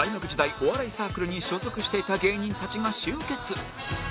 お笑いサークルに所属していた芸人たちが集結